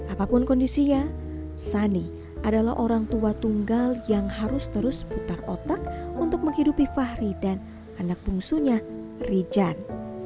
apapun kondisinya sani adalah orang tua tunggal yang harus terus putar otak untuk menghidupi fahri dan anak bungsunya rijan